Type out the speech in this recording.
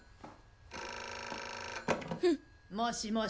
☎フン！もしもし。